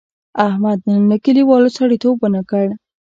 احمد نن له کلیوالو سړیتیوب و نه کړ.